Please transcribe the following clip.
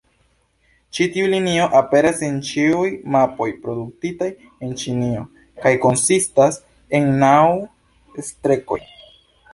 Ĉi tiu linio aperas en ĉiuj mapoj produktitaj en Ĉinio, kaj konsistas el naŭ-strekoj.